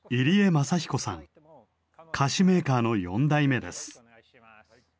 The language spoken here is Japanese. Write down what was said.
菓子メーカーの４代目です。